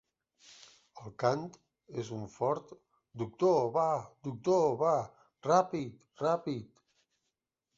El cant és un fort "doctor-va doctor-va rà-pid rà-pid".